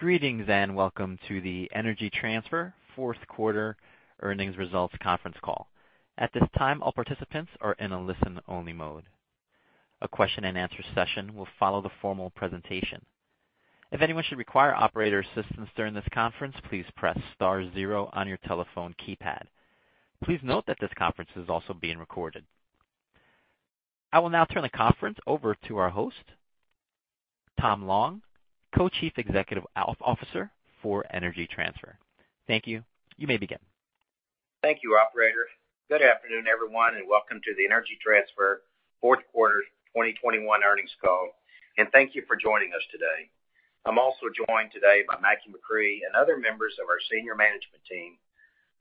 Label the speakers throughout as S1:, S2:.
S1: Greetings, and welcome to the Energy Transfer fourth quarter earnings results conference call. At this time, all participants are in a listen-only mode. A question-and-answer session will follow the formal presentation. If anyone should require operator assistance during this conference, please press star zero on your telephone keypad. Please note that this conference is also being recorded. I will now turn the conference over to our host, Tom Long, Co-Chief Executive Officer for Energy Transfer. Thank you. You may begin.
S2: Thank you, operator. Good afternoon, everyone, and welcome to the Energy Transfer fourth quarter 2021 earnings call, and thank you for joining us today. I'm also joined today by Mackie McCrea and other members of our senior management team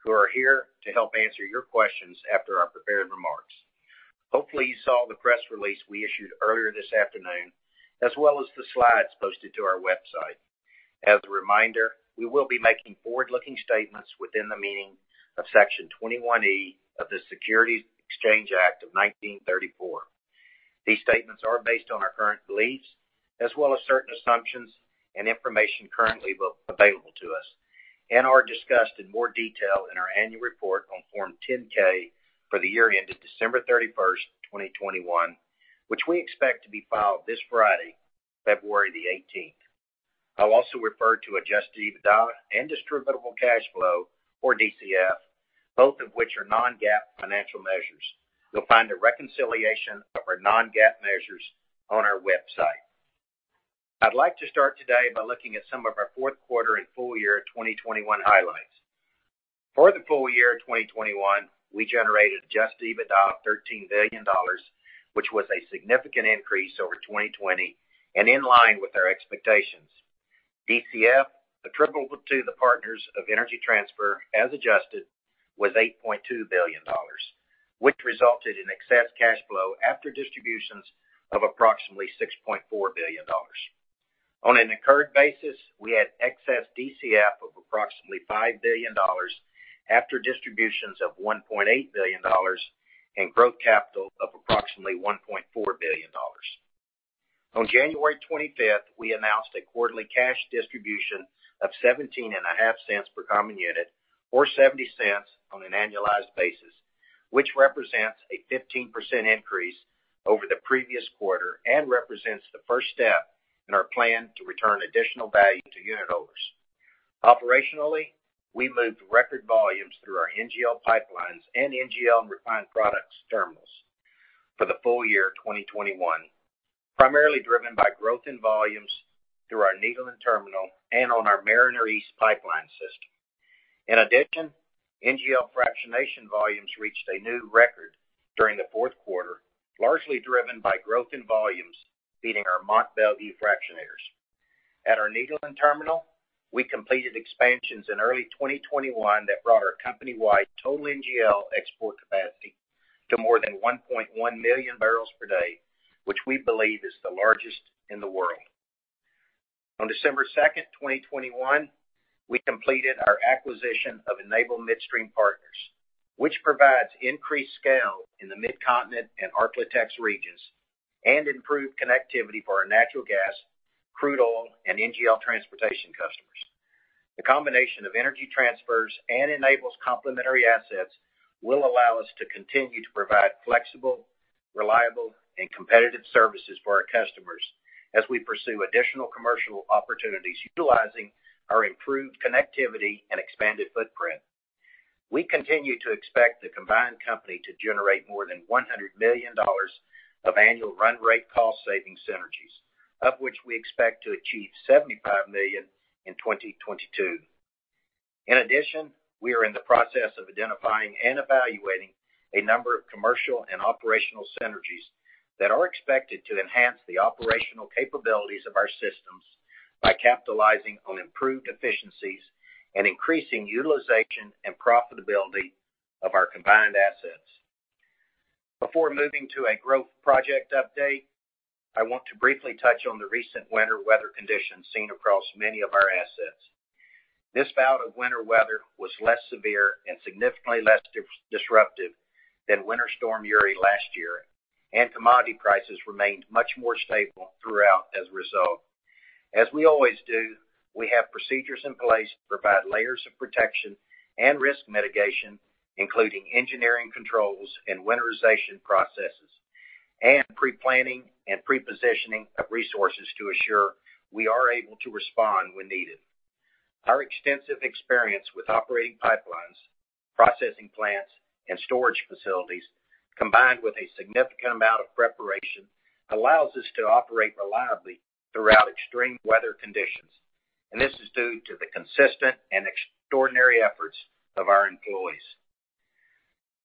S2: who are here to help answer your questions after our prepared remarks. Hopefully, you saw the press release we issued earlier this afternoon, as well as the slides posted to our website. As a reminder, we will be making forward-looking statements within the meaning of Section 21E of the Securities Exchange Act of 1934. These statements are based on our current beliefs as well as certain assumptions and information currently available to us and are discussed in more detail in our annual report on Form 10-K for the year ended December 31, 2021, which we expect to be filed this Friday, February 18. I'll also refer to adjusted EBITDA and distributable cash flow or DCF, both of which are non-GAAP financial measures. You'll find a reconciliation of our non-GAAP measures on our website. I'd like to start today by looking at some of our fourth quarter and full year 2021 highlights. For the full year 2021, we generated adjusted EBITDA of $13 billion, which was a significant increase over 2020 and in line with our expectations. DCF attributable to the partners of Energy Transfer, as adjusted, was $8.2 billion, which resulted in excess cash flow after distributions of approximately $6.4 billion. On an incurred basis, we had excess DCF of approximately $5 billion after distributions of $1.8 billion and growth capital of approximately $1.4 billion. On January 25, we announced a quarterly cash distribution of $0.175 per common unit or $0.70 on an annualized basis, which represents a 15% increase over the previous quarter and represents the first step in our plan to return additional value to unit holders. Operationally, we moved record volumes through our NGL pipelines and NGL refined products terminals for the full year 2021, primarily driven by growth in volumes through our Nederland Terminal and on our Mariner East pipeline system. In addition, NGL fractionation volumes reached a new record during the fourth quarter, largely driven by growth in volumes feeding our Mont Belvieu fractionators. At our Nederland Terminal, we completed expansions in early 2021 that brought our company-wide total NGL export capacity to more than 1.1 million barrels per day, which we believe is the largest in the world. On December 2, 2021, we completed our acquisition of Enable Midstream Partners, which provides increased scale in the Midcontinent and Ark-La-Tex regions and improved connectivity for our natural gas, crude oil, and NGL transportation customers. The combination of Energy Transfer's and Enable's complementary assets will allow us to continue to provide flexible, reliable, and competitive services for our customers as we pursue additional commercial opportunities utilizing our improved connectivity and expanded footprint. We continue to expect the combined company to generate more than $100 million of annual run rate cost savings synergies, of which we expect to achieve $75 million in 2022. In addition, we are in the process of identifying and evaluating a number of commercial and operational synergies that are expected to enhance the operational capabilities of our systems by capitalizing on improved efficiencies and increasing utilization and profitability of our combined assets. Before moving to a growth project update, I want to briefly touch on the recent winter weather conditions seen across many of our assets. This bout of winter weather was less severe and significantly less disruptive than Winter Storm Uri last year, and commodity prices remained much more stable throughout as a result. As we always do, we have procedures in place to provide layers of protection and risk mitigation, including engineering controls and winterization processes, and pre-planning and pre-positioning of resources to assure we are able to respond when needed. Our extensive experience with operating pipelines, processing plants, and storage facilities, combined with a significant amount of preparation, allows us to operate reliably throughout extreme weather conditions, and this is due to the consistent and extraordinary efforts of our employees.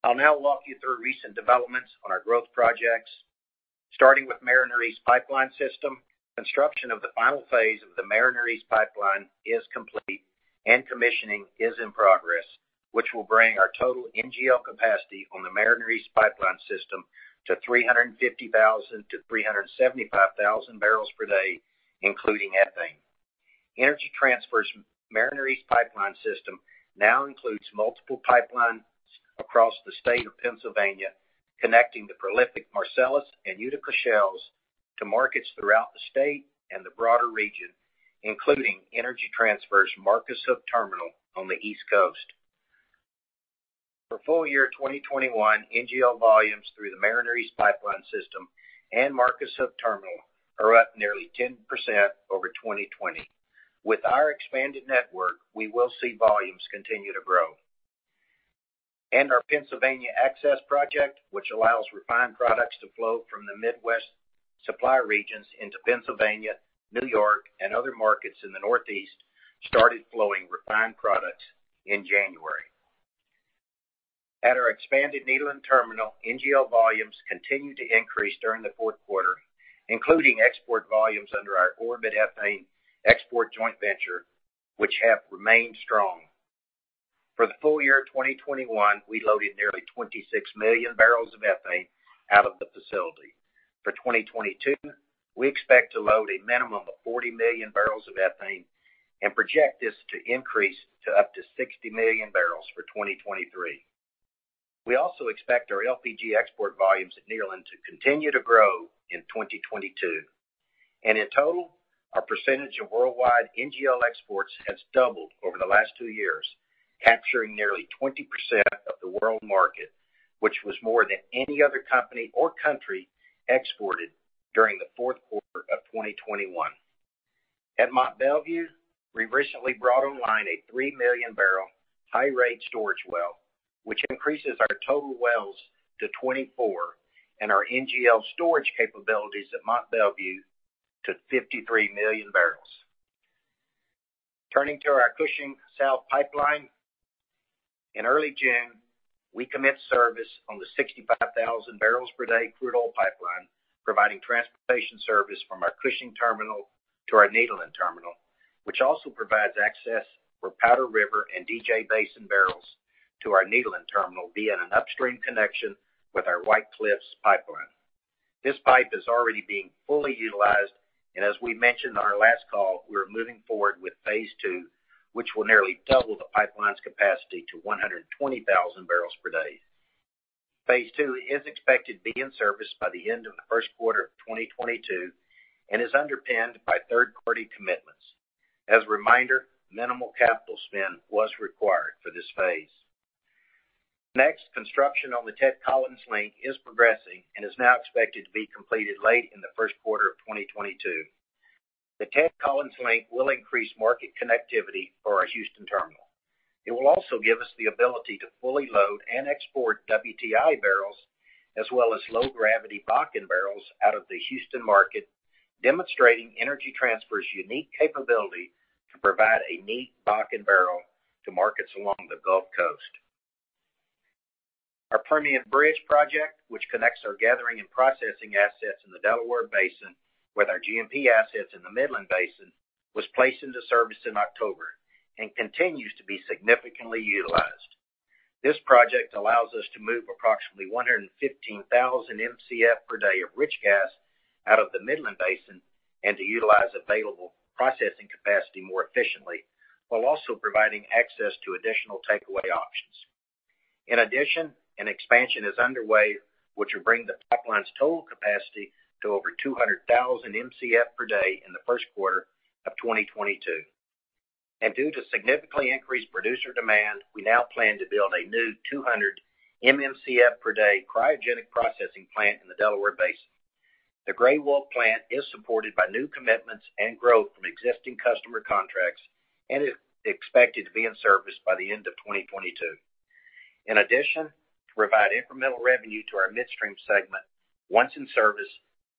S2: I'll now walk you through recent developments on our growth projects. Starting with Mariner East Pipeline System, construction of the final phase of the Mariner East Pipeline is complete and commissioning is in progress, which will bring our total NGL capacity on the Mariner East Pipeline System to 350,000 to 375,000 barrels per day, including ethane. Energy Transfer's Mariner East Pipeline System now includes multiple pipelines across the state of Pennsylvania, connecting the prolific Marcellus and Utica Shales to markets throughout the state and the broader region, including Energy Transfer's Marcus Hook Terminal on the East Coast. For full year 2021, NGL volumes through the Mariner East Pipeline System and Marcus Hook Terminal are up nearly 10% over 2020. With our expanded network, we will see volumes continue to grow. Our Pennsylvania Access project, which allows refined products to flow from the Midwest supply regions into Pennsylvania, New York, and other markets in the Northeast, started flowing refined products in January. At our expanded Nederland Terminal, NGL volumes continued to increase during the fourth quarter, including export volumes under our Orbit ethane export joint venture, which have remained strong. For the full year of 2021, we loaded nearly 26 million barrels of ethane out of the facility. For 2022, we expect to load a minimum of 40 million barrels of ethane and project this to increase to up to 60 million barrels for 2023. We also expect our LPG export volumes at Nederland to continue to grow in 2022. In total, our percentage of worldwide NGL exports has doubled over the last two years, capturing nearly 20% of the world market, which was more than any other company or country exported during the fourth quarter of 2021. At Mont Belvieu, we recently brought online a 3-million-barrel high-rate storage well, which increases our total wells to 24 and our NGL storage capabilities at Mont Belvieu to 53 million barrels. Turning to our Cushing South Pipeline. In early June, we commenced service on the 65,000 barrels per day crude oil pipeline, providing transportation service from our Cushing terminal to our Nederland terminal, which also provides access for Powder River and DJ Basin barrels to our Nederland terminal via an upstream connection with our White Cliffs pipeline. This pipe is already being fully utilized, and as we mentioned on our last call, we're moving forward with phase two, which will nearly double the pipeline's capacity to 120,000 barrels per day. Phase two is expected to be in service by the end of the first quarter of 2022 and is underpinned by third-party commitments. As a reminder, minimal capital spend was required for this phase. Next, construction on the Ted Collins Link is progressing and is now expected to be completed late in the first quarter of 2022. The Ted Collins Link will increase market connectivity for our Houston terminal. It will also give us the ability to fully load and export WTI barrels as well as low-gravity Bakken barrels out of the Houston market, demonstrating Energy Transfer's unique capability to provide a neat Bakken barrel to markets along the Gulf Coast. Our Permian Bridge project, which connects our gathering and processing assets in the Delaware Basin with our GMP assets in the Midland Basin, was placed into service in October and continues to be significantly utilized. This project allows us to move approximately 115,000 Mcf per day of rich gas out of the Midland Basin and to utilize available processing capacity more efficiently, while also providing access to additional takeaway options. In addition, an expansion is underway which will bring the pipeline's total capacity to over 200,000 Mcf per day in the first quarter of 2022. Due to significantly increased producer demand, we now plan to build a new 200 MMcf per day cryogenic processing plant in the Delaware Basin. The Gray Wolf plant is supported by new commitments and growth from existing customer contracts and is expected to be in service by the end of 2022. In addition, to provide incremental revenue to our midstream segment, once in service,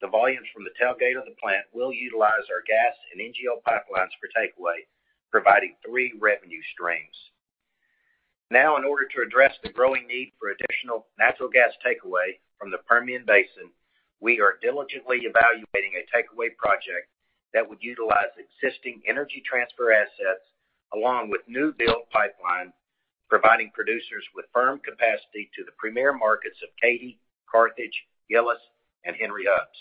S2: the volumes from the tailgate of the plant will utilize our gas and NGL pipelines for takeaway, providing three revenue streams. Now, in order to address the growing need for additional natural gas takeaway from the Permian Basin, we are diligently evaluating a takeaway project that would utilize existing Energy Transfer assets along with new build pipeline, providing producers with firm capacity to the premier markets of Katy, Carthage, Gillis, and Henry hubs.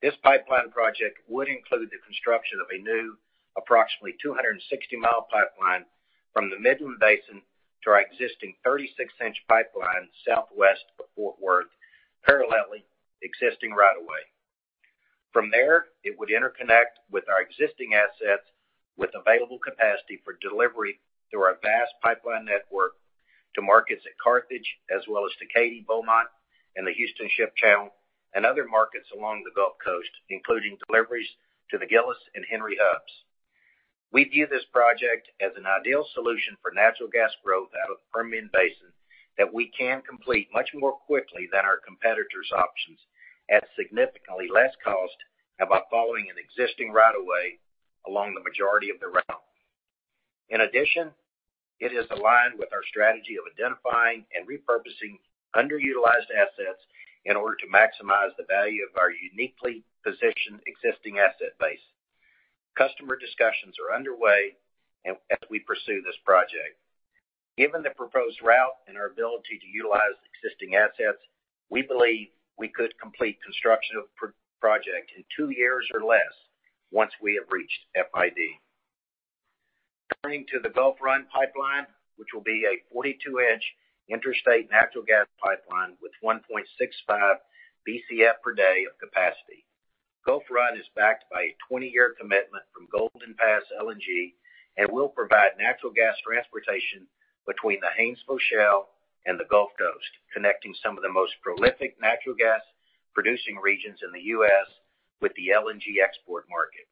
S2: This pipeline project would include the construction of a new approximately 260-mile pipeline from the Midland Basin to our existing 36-inch pipeline southwest of Fort Worth, parallel to existing right of way. From there, it would interconnect with our existing assets with available capacity for delivery through our vast pipeline network to markets at Carthage as well as to Katy, Beaumont, and the Houston Ship Channel and other markets along the Gulf Coast, including deliveries to the Gillis and Henry hubs. We view this project as an ideal solution for natural gas growth out of the Permian Basin that we can complete much more quickly than our competitors' options at significantly less cost by following an existing right of way along the majority of the route. In addition, it is aligned with our strategy of identifying and repurposing underutilized assets in order to maximize the value of our uniquely positioned existing asset base. Customer discussions are underway as we pursue this project. Given the proposed route and our ability to utilize existing assets, we believe we could complete construction of project in two years or less once we have reached FID. Turning to the Gulf Run pipeline, which will be a 42-inch interstate natural gas pipeline with 1.65 BCF per day of capacity. Gulf Run is backed by a 20-year commitment from Golden Pass LNG, and will provide natural gas transportation between the Haynesville Shale and the Gulf Coast, connecting some of the most prolific natural gas producing regions in the U.S. with the LNG export market.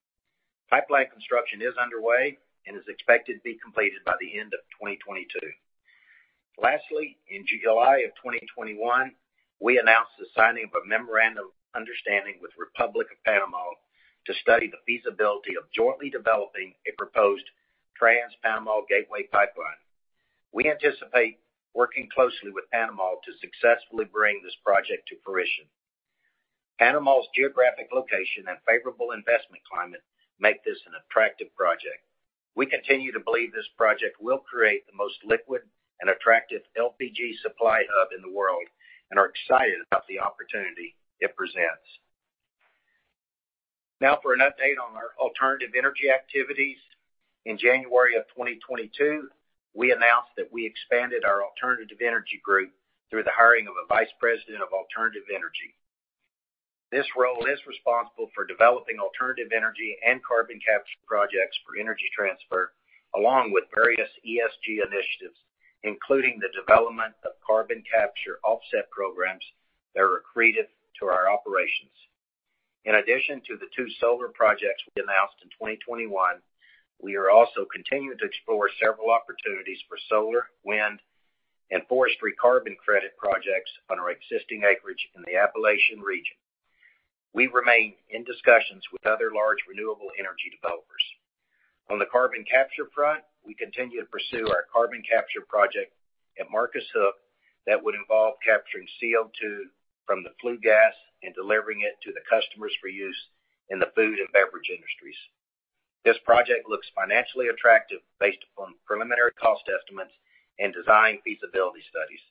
S2: Pipeline construction is underway and is expected to be completed by the end of 2022. Lastly, in July 2021, we announced the signing of a memorandum of understanding with Republic of Panama to study the feasibility of jointly developing a proposed Trans-Panama Gateway Pipeline. We anticipate working closely with Panama to successfully bring this project to fruition. Panama's geographic location and favorable investment climate make this an attractive project. We continue to believe this project will create the most liquid and attractive LPG supply hub in the world, and are excited about the opportunity it presents. Now for an update on our alternative energy activities. In January 2022, we announced that we expanded our alternative energy group through the hiring of a vice president of alternative energy. This role is responsible for developing alternative energy and carbon capture projects for Energy Transfer, along with various ESG initiatives, including the development of carbon capture offset programs that are accretive to our operations. In addition to the two solar projects we announced in 2021, we are also continuing to explore several opportunities for solar, wind, and forestry carbon credit projects on our existing acreage in the Appalachian region. We remain in discussions with other large renewable energy developers. On the carbon capture front, we continue to pursue our carbon capture project at Marcus Hook that would involve capturing CO2 from the flue gas and delivering it to the customers for use in the food and beverage industries. This project looks financially attractive based upon preliminary cost estimates and design feasibility studies.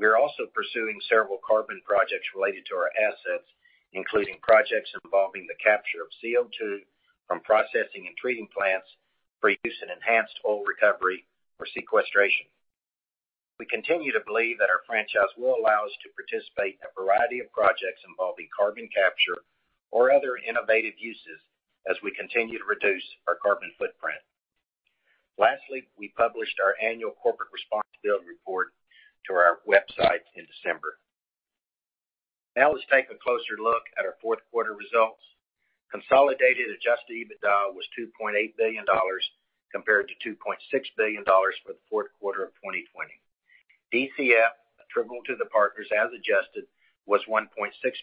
S2: We are also pursuing several carbon projects related to our assets, including projects involving the capture of CO2 from processing and treating plants for use in enhanced oil recovery or sequestration. We continue to believe that our franchise will allow us to participate in a variety of projects involving carbon capture or other innovative uses as we continue to reduce our carbon footprint. Lastly, we published our annual corporate responsibility report to our website in December. Now, let's take a closer look at our fourth quarter results. Consolidated adjusted EBITDA was $2.8 billion compared to $2.6 billion for the fourth quarter of 2020. DCF attributable to the partners as adjusted was $1.6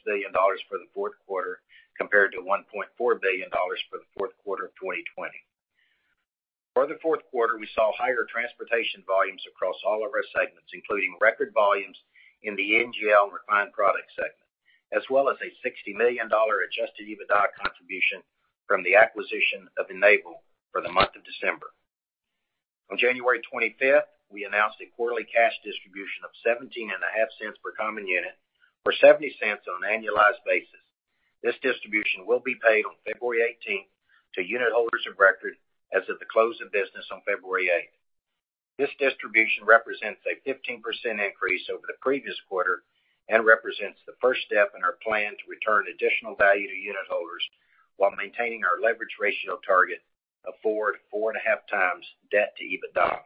S2: billion for the fourth quarter compared to $1.4 billion for the fourth quarter of 2020. For the fourth quarter, we saw higher transportation volumes across all of our segments, including record volumes in the NGL refined products segment, as well as a $60 million adjusted EBITDA contribution from the acquisition of Enable for the month of December. On January 25th, we announced a quarterly cash distribution of $0.175 per common unit, or $0.70 on an annualized basis. This distribution will be paid on February 18th to unit holders of record as of the close of business on February 8th. This distribution represents a 15% increase over the previous quarter and represents the first step in our plan to return additional value to unit holders while maintaining our leverage ratio target of 4-4.5 times debt to EBITDA.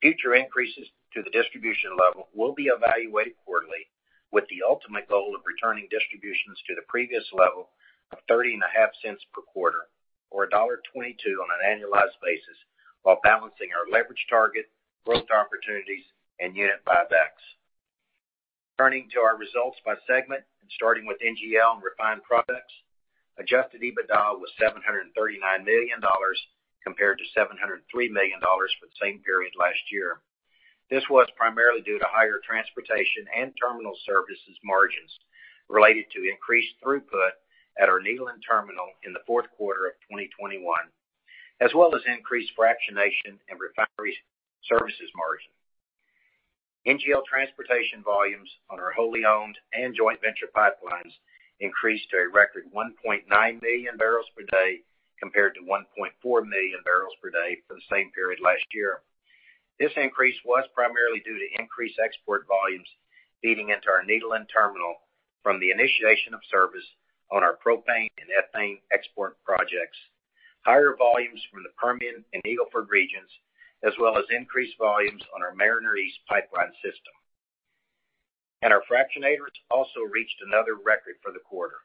S2: Future increases to the distribution level will be evaluated quarterly with the ultimate goal of returning distributions to the previous level of $0.305 per quarter or $1.22 on an annualized basis, while balancing our leverage target, growth opportunities, and unit buybacks. Turning to our results by segment and starting with NGL and refined products, adjusted EBITDA was $739 million compared to $703 million for the same period last year. This was primarily due to higher transportation and terminal services margins related to increased throughput at our Nederland terminal in the fourth quarter of 2021, as well as increased fractionation and refinery services margin. NGL transportation volumes on our wholly owned and joint venture pipelines increased to a record 1.9 million barrels per day compared to 1.4 million barrels per day for the same period last year. This increase was primarily due to increased export volumes feeding into our Nederland terminal from the initiation of service on our propane and ethane export projects, higher volumes from the Permian and Eagle Ford regions, as well as increased volumes on our Mariner East pipeline system. Our fractionators also reached another record for the quarter,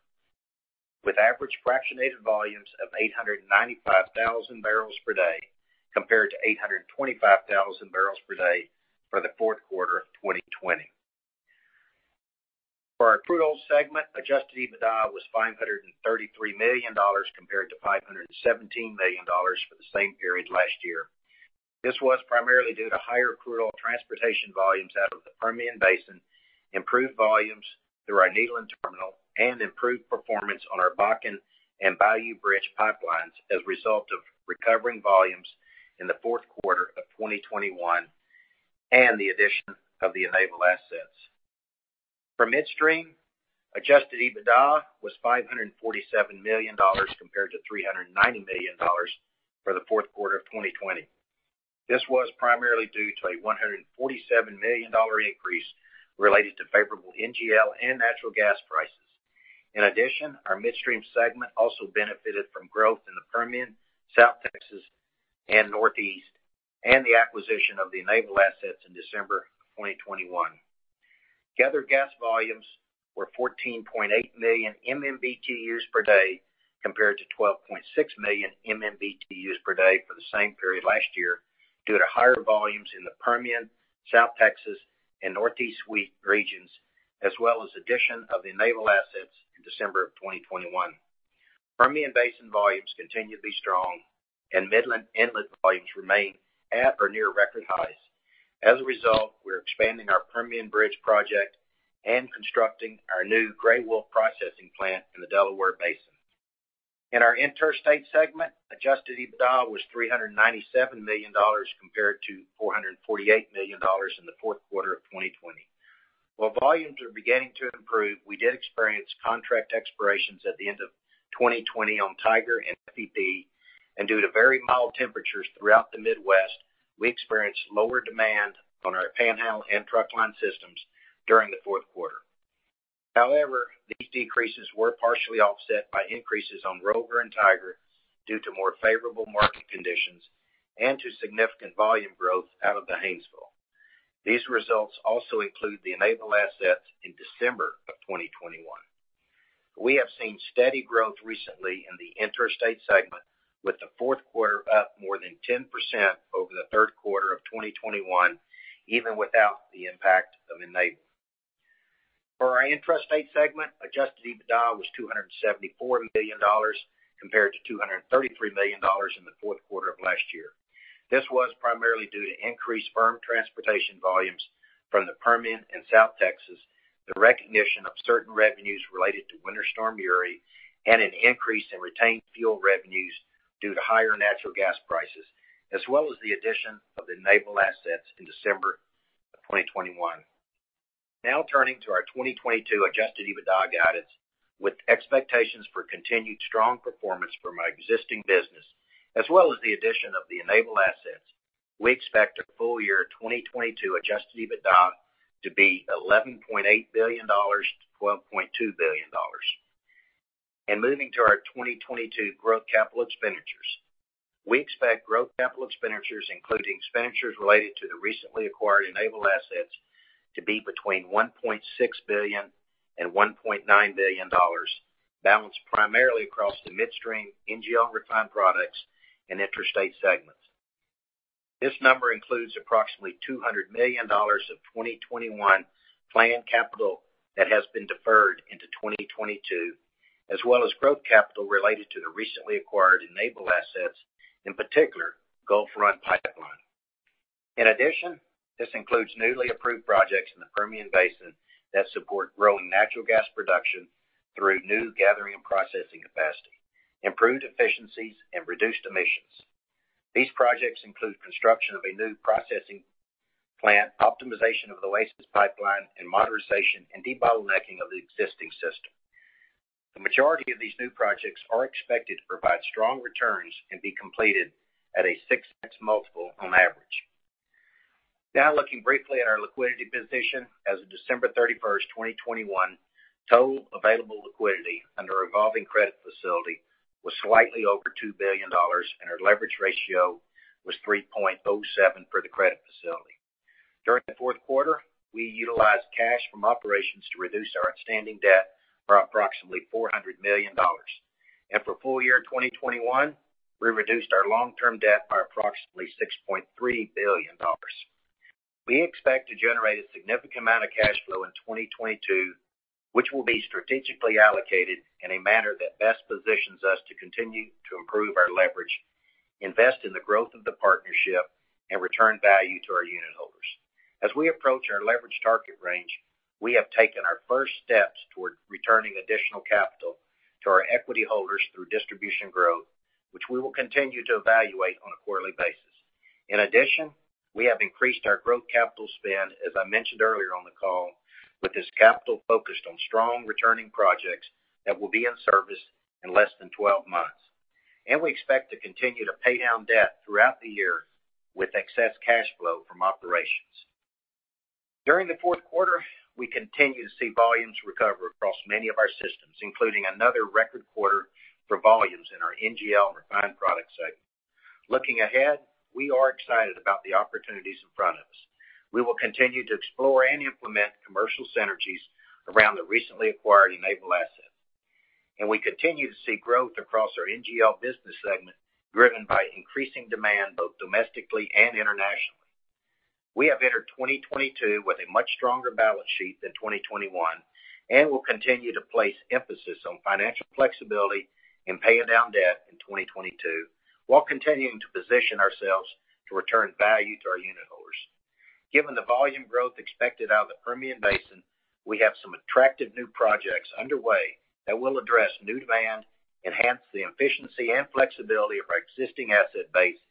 S2: with average fractionated volumes of 895,000 barrels per day compared to 825,000 barrels per day for the fourth quarter of 2020. For our Crude Oil segment, adjusted EBITDA was $533 million compared to $517 million for the same period last year. This was primarily due to higher crude oil transportation volumes out of the Permian Basin, improved volumes through our Nederland terminal and improved performance on our Bakken and Bayou Bridge pipelines as a result of recovering volumes in the fourth quarter of 2021 and the addition of the Enable assets. For Midstream, adjusted EBITDA was $547 million compared to $390 million for the fourth quarter of 2020. This was primarily due to a $147 million increase related to favorable NGL and natural gas prices. In addition, our Midstream segment also benefited from growth in the Permian, South Texas, and Northeast, and the acquisition of the Enable assets in December of 2021. Gathered gas volumes were 14.8 million MMBtu per day, compared to 12.6 million MMBtu per day for the same period last year due to higher volumes in the Permian, South Texas, and Northeast regions, as well as addition of the Enable assets in December of 2021. Permian Basin volumes continued to be strong, and Midland inlet volumes remain at or near record highs. As a result, we're expanding our Permian Bridge project and constructing our new Gray Wolf processing plant in the Delaware Basin. In our interstate segment, adjusted EBITDA was $397 million compared to $448 million in the fourth quarter of 2020. While volumes are beginning to improve, we did experience contract expirations at the end of 2020 on Tiger and FEP, and due to very mild temperatures throughout the Midwest, we experienced lower demand on our Panhandle and Trunkline systems during the fourth quarter. However, these decreases were partially offset by increases on Rover and Tiger due to more favorable market conditions and due to significant volume growth out of the Haynesville. These results also include the Enable assets in December of 2021. We have seen steady growth recently in the interstate segment with the fourth quarter up more than 10% over the third quarter of 2021, even without the impact of Enable. For our intrastate segment, adjusted EBITDA was $274 million compared to $233 million in the fourth quarter of last year. This was primarily due to increased firm transportation volumes from the Permian and South Texas, the recognition of certain revenues related to Winter Storm Uri, and an increase in retained fuel revenues due to higher natural gas prices, as well as the addition of the Enable assets in December of 2021. Now turning to our 2022 adjusted EBITDA guidance with expectations for continued strong performance from our existing business as well as the addition of the Enable assets, we expect a full year 2022 adjusted EBITDA to be $11.8 billion-$12.2 billion. Moving to our 2022 growth capital expenditures. We expect growth capital expenditures, including expenditures related to the recently acquired Enable assets, to be between $1.6 billion and $1.9 billion, balanced primarily across the midstream NGL refined products and interstate segments. This number includes approximately $200 million of 2021 planned capital that has been deferred into 2022, as well as growth capital related to the recently acquired Enable assets, in particular, Gulf Run Pipeline. In addition, this includes newly approved projects in the Permian Basin that support growing natural gas production through new gathering and processing capacity, improved efficiencies, and reduced emissions. These projects include construction of a new processing plant, optimization of the Oasis Pipeline, and modernization and debottlenecking of the existing system. The majority of these new projects are expected to provide strong returns and be completed at a 6x multiple on average. Now looking briefly at our liquidity position as of December 31, 2021, total available liquidity under a revolving credit facility was slightly over $2 billion, and our leverage ratio was 3.07 for the credit facility. During the fourth quarter, we utilized cash from operations to reduce our outstanding debt by approximately $400 million. For full year 2021, we reduced our long-term debt by approximately $6.3 billion. We expect to generate a significant amount of cash flow in 2022, which will be strategically allocated in a manner that best positions us to continue to improve our leverage, invest in the growth of the partnership, and return value to our unit holders. As we approach our leverage target range, we have taken our first steps toward returning additional capital to our equity holders through distribution growth, which we will continue to evaluate on a quarterly basis. In addition, we have increased our growth capital spend, as I mentioned earlier on the call, with this capital focused on strong returning projects that will be in service in less than 12 months. We expect to continue to pay down debt throughout the year with excess cash flow from operations. During the fourth quarter, we continue to see volumes recover across many of our systems, including another record quarter for volumes in our NGL refined products segment. Looking ahead, we are excited about the opportunities in front of us. We will continue to explore and implement commercial synergies around the recently acquired Enable assets. We continue to see growth across our NGL business segment, driven by increasing demand both domestically and internationally. We have entered 2022 with a much stronger balance sheet than 2021, and we'll continue to place emphasis on financial flexibility and paying down debt in 2022, while continuing to position ourselves for To return value to our unitholders. Given the volume growth expected out of the Permian Basin, we have some attractive new projects underway that will address new demand, enhance the efficiency and flexibility of our existing asset base,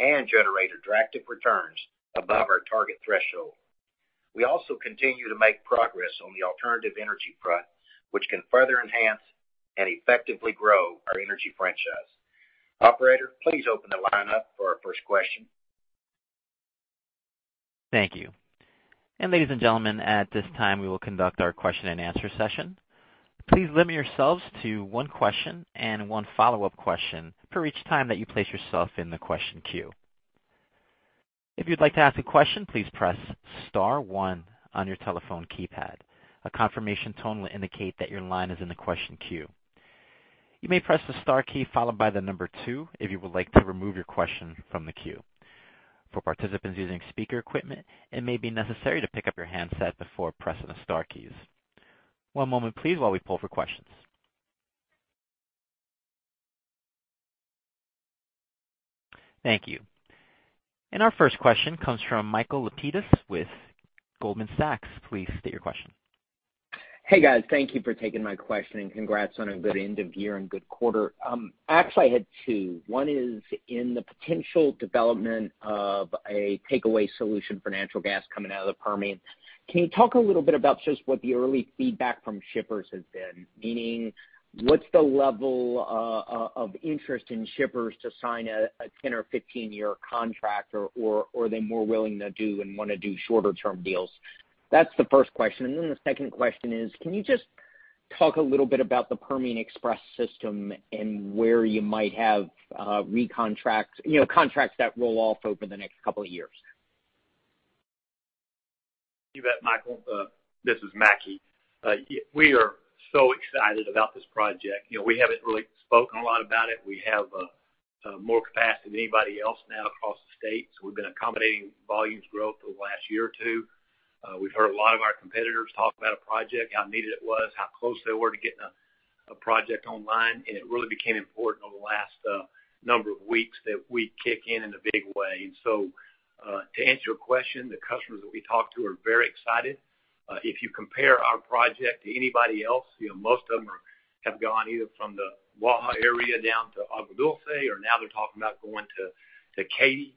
S2: and generate attractive returns above our target threshold. We also continue to make progress on the alternative energy front, which can further enhance and effectively grow our energy franchise. Operator, please open the line up for our first question.
S1: Thank you. Ladies and gentlemen, at this time, we will conduct our question-and-answer session. Please limit yourselves to one question and one follow-up question for each time that you place yourself in the question queue. If you'd like to ask a question, please press star one on your telephone keypad. A confirmation tone will indicate that your line is in the question queue. You may press the star key followed by the number two if you would like to remove your question from the queue. For participants using speaker equipment, it may be necessary to pick up your handset before pressing the star keys. One moment, please, while we pull for questions. Thank you. Our first question comes from Michael Lapides with Goldman Sachs. Please state your question.
S3: Hey, guys. Thank you for taking my question, and congrats on a good end of year and good quarter. Actually, I had two. One is in the potential development of a takeaway solution for natural gas coming out of the Permian. Can you talk a little bit about just what the early feedback from shippers has been? Meaning, what's the level of interest in shippers to sign a 10- or 15-year contract or are they more willing to do and wanna do shorter-term deals? That's the first question. Then the second question is, can you just talk a little bit about the Permian Express system and where you might have contracts that roll off over the next couple of years?
S4: You bet, Michael. This is Mackie. We are so excited about this project. You know, we haven't really spoken a lot about it. We have more capacity than anybody else now across the state. So we've been accommodating volumes growth over the last year or two. We've heard a lot of our competitors talk about a project, how needed it was, how close they were to getting a project online, and it really became important over the last number of weeks that we kick in in a big way. To answer your question, the customers that we talk to are very excited. If you compare our project to anybody else, you know, most of them have gone either from the Waha area down to Agua Dulce, or now they're talking about going to Katy.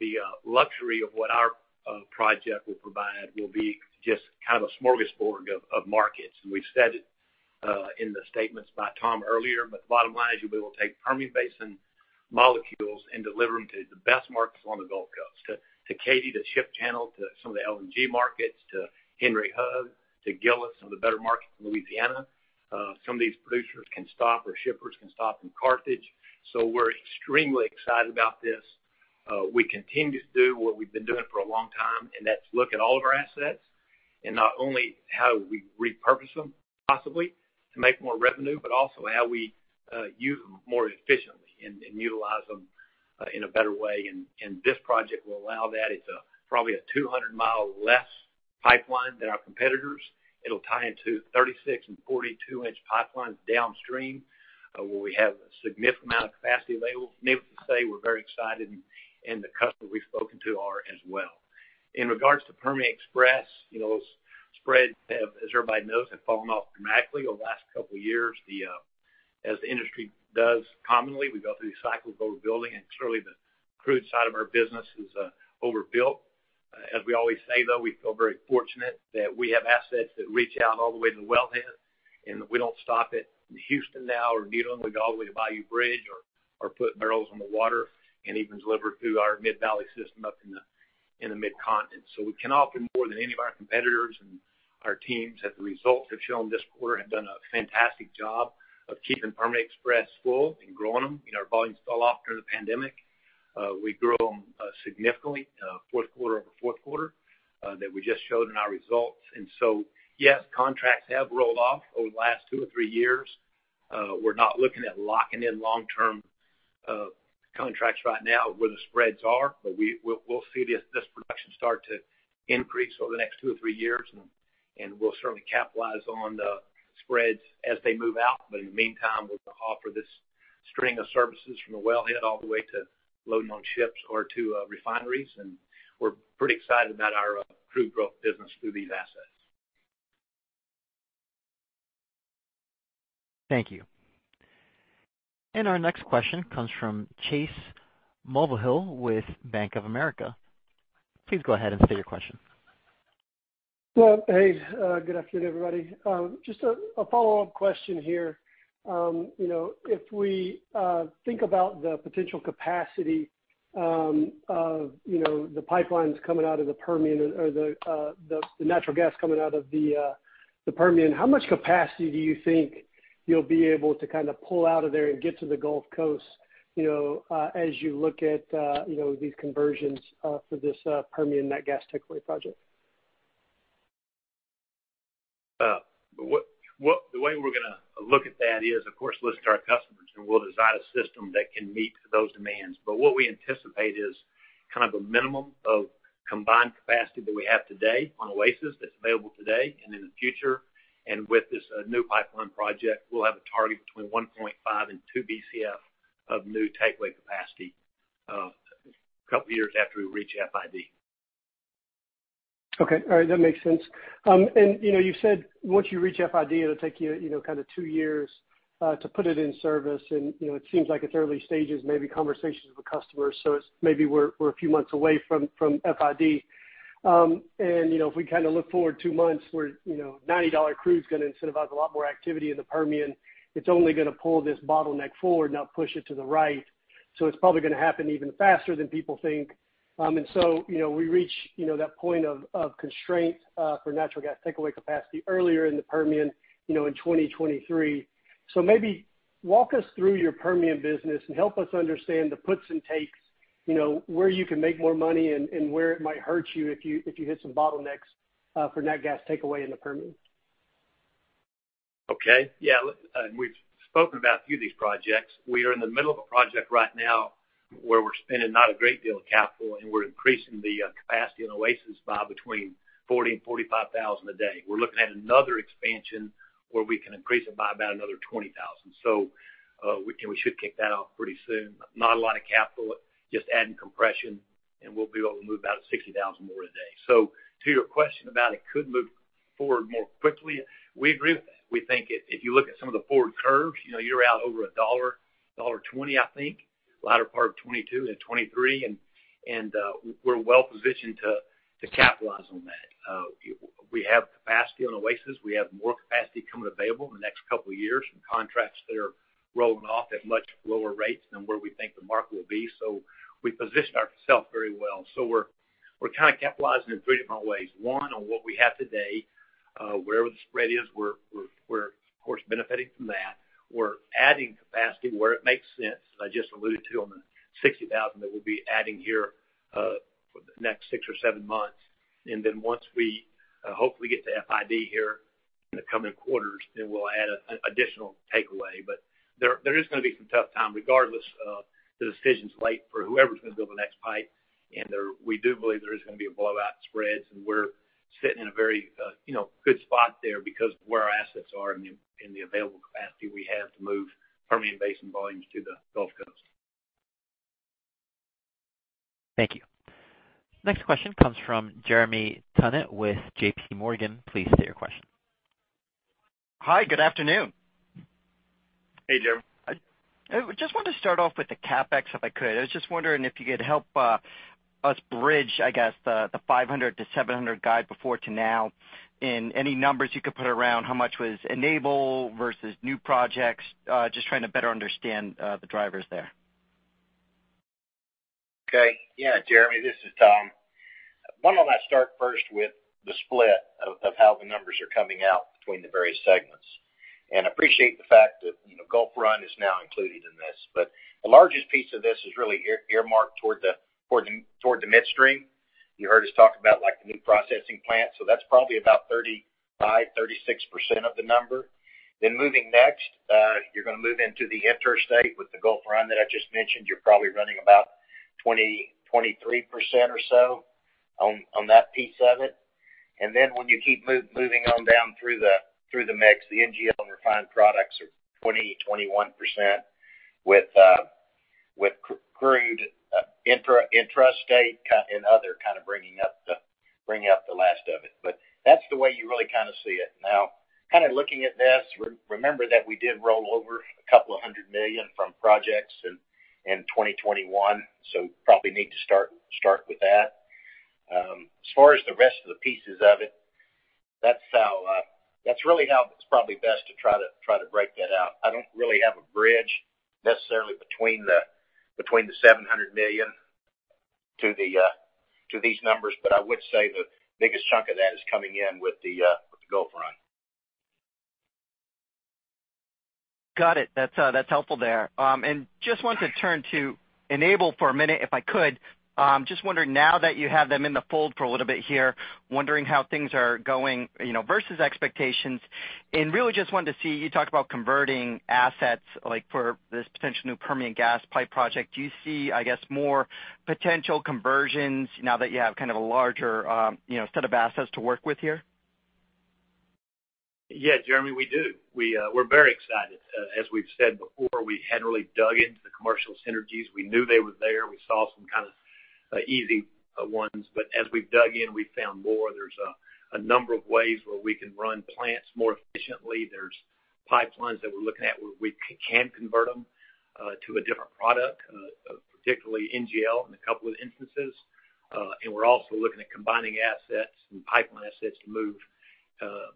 S4: The luxury of what our project will provide will be just kind of a smorgasbord of markets. We've said it in the statements by Tom earlier, but the bottom line is you'll be able to take Permian Basin molecules and deliver them to the best markets on the Gulf Coast, to Katy, to Ship Channel, to some of the LNG markets, to Henry Hub, to Gillis, some of the better markets in Louisiana. Some of these producers can stop or shippers can stop in Carthage. We're extremely excited about this. We continue to do what we've been doing for a long time, and that's look at all of our assets, and not only how we repurpose them, possibly to make more revenue, but also how we use them more efficiently and utilize them in a better way. This project will allow that. It's probably a 200-mile less pipeline than our competitors. It'll tie into 36- and 42-inch pipelines downstream, where we have a significant amount of capacity available to say we're very excited, and the customers we've spoken to are as well. In regards to Permian Express, you know, those spreads have, as everybody knows, fallen off dramatically over the last couple of years. As the industry does commonly, we go through these cycles of overbuilding, and clearly, the crude side of our business is overbuilt. As we always say, though, we feel very fortunate that we have assets that reach out all the way to the wellhead, and we don't stop at Houston now or Midland. We go all the way to Bayou Bridge or put barrels on the water and even deliver through our Mid-Valley system up in the Mid-Continent. We can offer more than any of our competitors, and our teams, as the results have shown this quarter, have done a fantastic job of keeping Permian Express full and growing them. You know, our volumes fell off during the pandemic. We grew them significantly fourth quarter over fourth quarter that we just showed in our results. Yes, contracts have rolled off over the last two or three years. We're not looking at locking in long-term contracts right now where the spreads are, but we'll see this production start to increase over the next two or three years, and we'll certainly capitalize on the spreads as they move out. In the meantime, we'll offer this string of services from the wellhead all the way to loading on ships or to refineries. We're pretty excited about our crude growth business through these assets.
S1: Thank you. Our next question comes from Chase Mulvihill with Bank of America. Please go ahead and state your question.
S5: Well, hey, good afternoon, everybody. Just a follow-up question here. You know, if we think about the potential capacity of the pipelines coming out of the Permian or the natural gas coming out of the Permian, how much capacity do you think you'll be able to kind of pull out of there and get to the Gulf Coast, you know, as you look at these conversions for this Permian Nat Gas Takeaway project?
S4: The way we're gonna look at that is, of course, listen to our customers, and we'll design a system that can meet those demands. What we anticipate is kind of a minimum of combined capacity that we have today on Oasis that's available today and in the future. With this new pipeline project, we'll have a target between 1.5 and 2 BCF of new takeaway capacity, a couple years after we reach FID.
S5: Okay. All right, that makes sense. You know, you said once you reach FID, it'll take you know, kind of 2 years to put it in service. You know, it seems like it's early stages, maybe conversations with customers, so it's maybe we're a few months away from FID. You know, if we kinda look forward 2 months, we're, you know, $90 crude's gonna incentivize a lot more activity in the Permian. It's only gonna pull this bottleneck forward, not push it to the right. It's probably gonna happen even faster than people think. You know, we reach, you know, that point of constraint for natural gas takeaway capacity earlier in the Permian, you know, in 2023. Maybe walk us through your Permian business and help us understand the puts and takes, you know, where you can make more money and where it might hurt you if you hit some bottlenecks for nat gas takeaway in the Permian.
S4: Okay. Yeah, look, we've spoken about a few of these projects. We are in the middle of a project right now where we're spending not a great deal of capital, and we're increasing the capacity in Oasis by between 40 and 45 thousand a day. We're looking at another expansion where we can increase it by about another 20 thousand. We should kick that off pretty soon. Not a lot of capital, just adding compression, and we'll be able to move about 60 thousand more a day. To your question about it could move forward more quickly, we agree with that. We think if you look at some of the forward curves, you know, you're out over $1-$1.20, I think, latter part of 2022 and 2023. We're well positioned to capitalize on that. We have capacity on Oasis. We have more capacity coming available in the next couple of years from contracts that are rolling off at much lower rates than where we think the market will be. We positioned ourselves very well. We're kind of capitalizing in three different ways. One, on what we have today, wherever the spread is, we're of course benefiting from that. We're adding capacity where it makes sense, as I just alluded to, on the 60,000 that we'll be adding here, for the next six or seven months. Once we hopefully get to FID here in the coming quarters, we'll add an additional takeaway. There is gonna be some tough time regardless of the decisions made for whoever's gonna build the next pipe. We do believe there is gonna be a blowout in spreads, and we're sitting in a very, you know, good spot there because of where our assets are and the available capacity we have to move Permian Basin volumes to the Gulf Coast.
S1: Thank you. Next question comes from Jeremy Tonet with JP Morgan. Please state your question.
S6: Hi, good afternoon.
S4: Hey, Jeremy.
S6: I just wanted to start off with the CapEx, if I could. I was just wondering if you could help us bridge, I guess, the $500-$700 guide before to now and any numbers you could put around how much was Enable versus new projects. Just trying to better understand the drivers there.
S2: Okay. Yeah, Jeremy, this is Tom. Why don't I start first with the split of how the numbers are coming out between the various segments? Appreciate the fact that, you know, Gulf Run is now included in this. The largest piece of this is really earmarked toward the Midstream. You heard us talk about, like, the new processing plant, so that's probably about 35-36% of the number. Then moving next, you're gonna move into the Interstate with the Gulf Run that I just mentioned. You're probably running about 20%-23% or so on that piece of it. When you keep moving on down through the mix, the NGL and refined products are 21% with crude, intrastate kind and other kind of bringing up the last of it. That's the way you really kind of see it. Now, kind of looking at this, remember that we did roll over $200 million from projects in 2021, so probably need to start with that. As far as the rest of the pieces of it, that's really how it's probably best to try to break that out. I don't really have a bridge necessarily between the $700 million to these numbers, but I would say the biggest chunk of that is coming in with the Gulf Run.
S6: Got it. That's helpful there. Just wanted to turn to Enable for a minute, if I could. Just wondering now that you have them in the fold for a little bit here, wondering how things are going, you know, versus expectations. Really just wanted to see, you talked about converting assets, like, for this potential new Permian gas pipe project. Do you see, I guess, more potential conversions now that you have kind of a larger, you know, set of assets to work with here?
S2: Yeah, Jeremy, we do. We're very excited. As we've said before, we hadn't really dug into the commercial synergies. We knew they were there. We saw some kind of easy ones. As we've dug in, we've found more. There's a number of ways where we can run plants more efficiently. There's pipelines that we're looking at where we can convert them to a different product, particularly NGL in a couple of instances. And we're also looking at combining assets and pipeline assets to move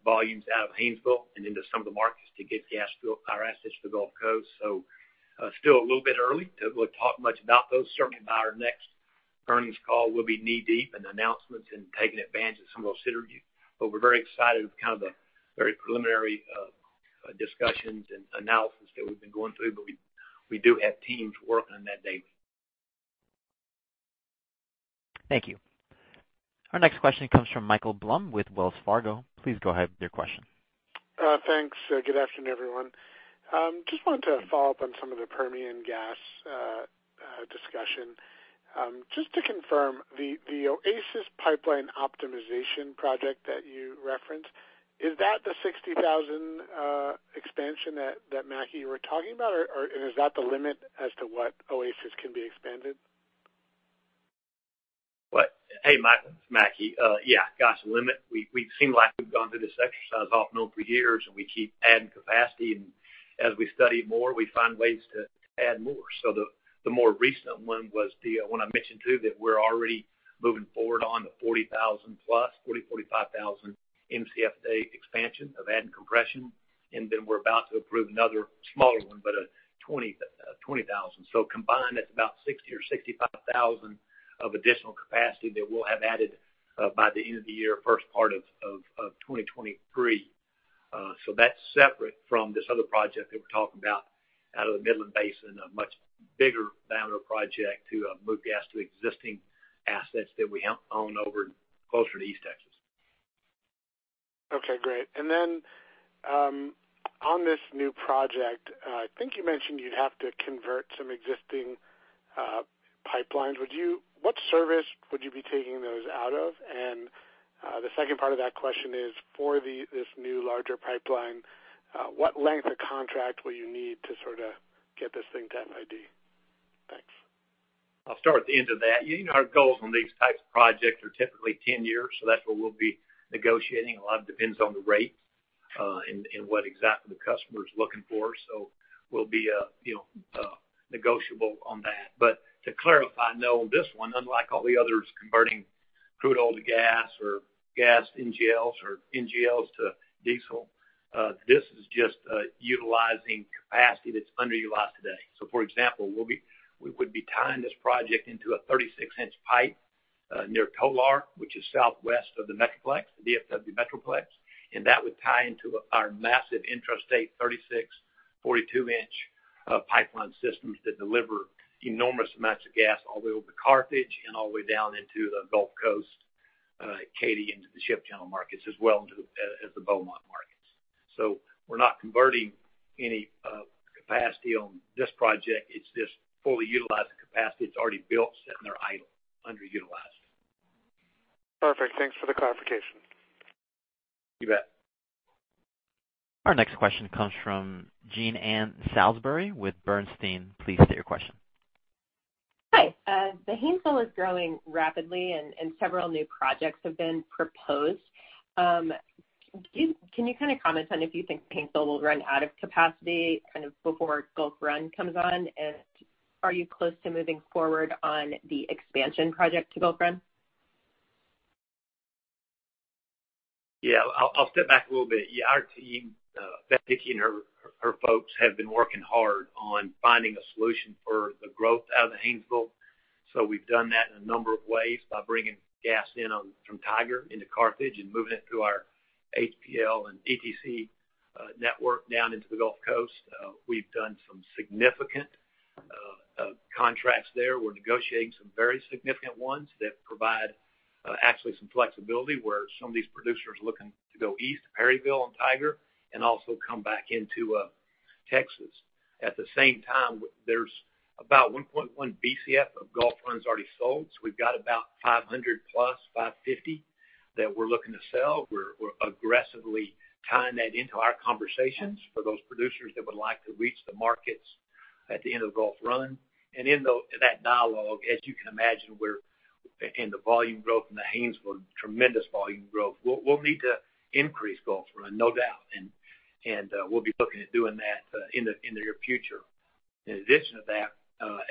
S2: volumes out of Haynesville and into some of the markets to get gas to our assets to the Gulf Coast. Still a little bit early to, like, talk much about those. Certainly by our next earnings call, we'll be knee-deep in announcements and taking advantage of some of those synergies. We're very excited with kind of the very preliminary discussions and analysis that we've been going through, but we do have teams working on that daily.
S6: Thank you.
S1: Our next question comes from Michael Blum with Wells Fargo. Please go ahead with your question.
S7: Thanks. Good afternoon, everyone. Just wanted to follow up on some of the Permian gas discussion. Just to confirm the Oasis Pipeline optimization project that you referenced, is that the 60,000 expansion that Mackie you were talking about? Or is that the limit as to what Oasis can be expanded?
S4: What? Hey, Mike, it's Mackie. Yeah, gosh. We seem like we've gone through this exercise off and on for years, and we keep adding capacity. As we study more, we find ways to add more. The more recent one was the one I mentioned too that we're already moving forward on the 40,000-plus, 45,000 Mcf a day expansion of adding compression. We're about to approve another smaller one, but a 20,000. Combined, that's about 60 or 65,000 of additional capacity that we'll have added by the end of the year, first part of 2023. That's separate from this other project that we're talking about out of the Midland Basin, a much bigger project to move gas to existing assets that we own over closer to East Texas.
S7: Okay, great. On this new project, I think you mentioned you'd have to convert some existing pipelines. What service would you be taking those out of? The second part of that question is, for this new larger pipeline, what length of contract will you need to sort of get this thing to FID? Thanks.
S4: I'll start at the end of that. You know our goals on these types of projects are typically 10 years, so that's what we'll be negotiating. A lot depends on the rate, and what exactly the customer is looking for. We'll be, you know, negotiable on that. To clarify, no, on this one, unlike all the others, converting crude oil to gas or gas NGLs or NGLs to diesel, this is just utilizing capacity that's underutilized today. For example, we would be tying this project into a 36-inch pipe near Tolar, which is southwest of the Metroplex, the DFW Metroplex. That would tie into our massive intrastate 36, 42-inch pipeline systems that deliver enormous amounts of gas all the way over the Carthage and all the way down into the Gulf Coast, Katy into the Ship Channel markets, as well as the Beaumont markets. We're not converting any capacity on this project. It's just fully utilizing capacity. It's already built, sitting there idle, underutilized.
S7: Perfect. Thanks for the clarification.
S4: You bet.
S1: Our next question comes from Jean Ann Salisbury with Bernstein. Please state your question.
S8: Hi. The Haynesville is growing rapidly and several new projects have been proposed. Can you kind of comment on if you think Haynesville will run out of capacity kind of before Gulf Run comes on? Are you close to moving forward on the expansion project to Gulf Run?
S4: Yeah. I'll step back a little bit. Yeah, our team, Becky and her folks have been working hard on finding a solution for the growth out of the Haynesville. We've done that in a number of ways by bringing gas in from Tiger into Carthage and moving it through our HPL and ETC network down into the Gulf Coast. We've done some significant contracts there. We're negotiating some very significant ones that provide actually some flexibility where some of these producers are looking to go east to Perryville and Tiger and also come back into Texas. At the same time, there's about 1.1 BCF of Gulf Run's already sold. We've got about 500+, 550 that we're looking to sell. We're aggressively tying that into our conversations for those producers that would like to reach the markets at the end of the Gulf Run. In that dialogue, as you can imagine, we're in the volume growth in the Haynesville, tremendous volume growth. We'll need to increase Gulf Run, no doubt, and we'll be looking at doing that in the near future. In addition to that,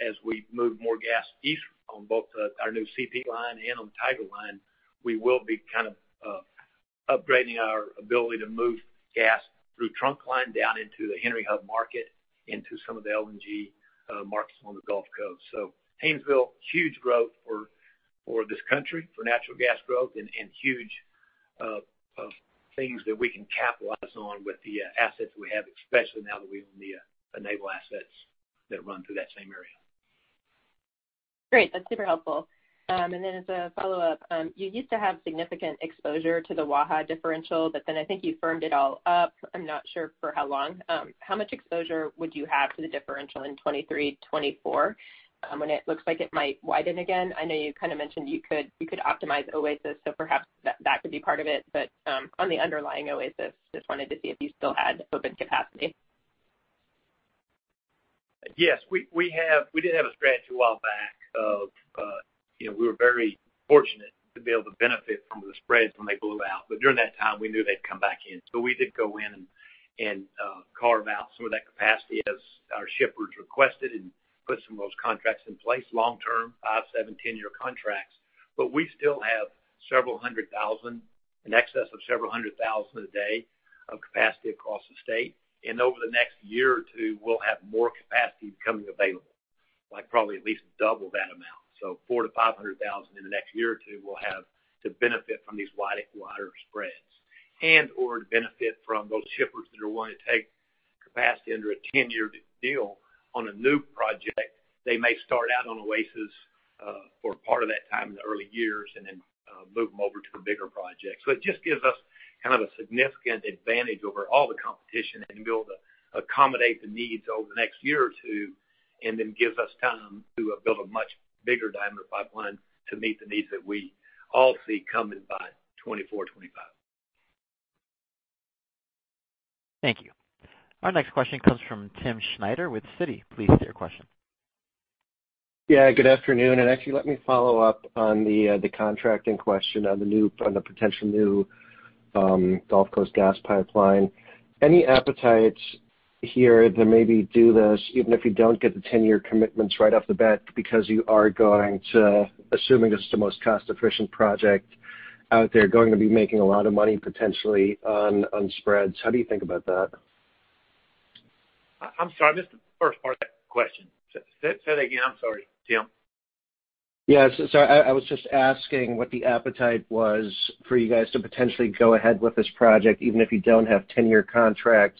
S4: as we move more gas east on both our new Line CP and on the Tiger Pipeline, we will be kind of upgrading our ability to move gas through Trunkline down into the Henry Hub market, into some of the LNG markets on the Gulf Coast. Haynesville, huge growth for this country, for natural gas growth and huge things that we can capitalize on with the assets we have, especially now that we own the Enable assets that run through that same area.
S8: Great. That's super helpful. As a follow-up, you used to have significant exposure to the Waha differential, but then I think you firmed it all up. I'm not sure for how long. How much exposure would you have to the differential in 2023, 2024, when it looks like it might widen again? I know you kind of mentioned you could optimize Oasis, so perhaps that could be part of it. On the underlying Oasis, just wanted to see if you still had open capacity.
S4: Yes. We did have a spread a while back, you know, we were very fortunate to be able to benefit from the spreads when they blew out. During that time, we knew they'd come back in. We did go in and carve out some of that capacity as our shippers requested and put some of those contracts in place long-term, 5-, 7-, 10-year contracts. We still have several hundred thousand, in excess of several hundred thousand a day, of capacity across the state. Over the next year or two, we'll have more capacity coming available, like probably at least double that amount. 400,000-500,000 in the next year or two we'll have to benefit from these wider spreads and/or to benefit from those shippers that are wanting to take capacity under a 10-year deal on a new project. They may start out on Oasis for part of that time in the early years and then move them over to the bigger projects. It just gives us kind of a significant advantage over all the competition and be able to accommodate the needs over the next year or two, and then gives us time to build a much bigger Diamond Pipeline to meet the needs that we all see coming by 2024, 2025.
S1: Thank you. Our next question comes from Timm Schneider with Citi. Please state your question.
S9: Yeah, good afternoon. Actually let me follow up on the contracting question on the potential new Gulf Coast gas pipeline. Any appetite here to maybe do this, even if you don't get the 10-year commitments right off the bat because you are going to, assuming it's the most cost-efficient project out there, going to be making a lot of money potentially on spreads. How do you think about that?
S4: I'm sorry, I missed the first part of that question. Say that again. I'm sorry, Timm.
S9: I was just asking what the appetite was for you guys to potentially go ahead with this project, even if you don't have 10-year contracts